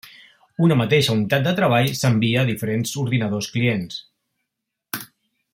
Una mateixa unitat de treball s’envia a diferents ordinadors clients.